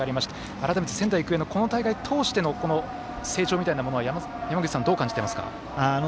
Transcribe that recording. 改めて仙台育英のこの大会通してのこの成長みたいなものはどう感じていますか？